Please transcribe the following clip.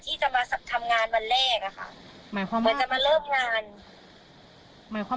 ที่จะมาทำงานวันแรกค่ะ